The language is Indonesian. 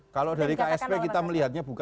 kalau dari ksp kita melihatnya bukan